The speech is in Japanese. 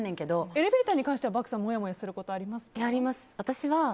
エレベーターに関して漠さん、もやもやすることあります。